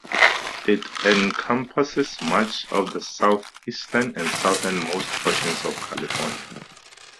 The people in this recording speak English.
It encompasses much of the southeastern and southernmost portions of California.